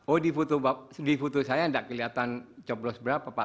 oh di foto saya tidak kelihatan coblos berapa pak